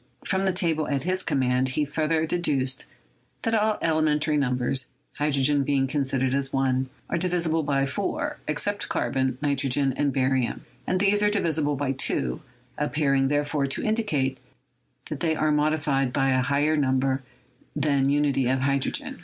From the table at his command he further deduced that all elementary numbers, hydrogen being considered as 1, are divisible by 4, except carbon, nitrogen and barium, and these are divisible by 2, appear ing, therefore, to indicate that they are modified by a higher number than unity or hydrogen.